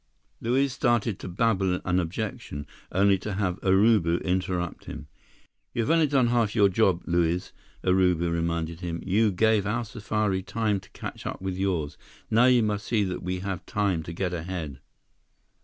Luiz started to babble an objection, only to have Urubu interrupt him. "You have only done half your job, Luiz," Urubu reminded him. "You gave our safari time to catch up with yours. Now you must see that we have time to get ahead."